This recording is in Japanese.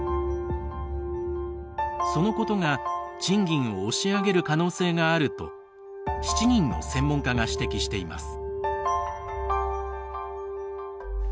そのことが賃金を押し上げる可能性があると７人の専門家が指摘しています。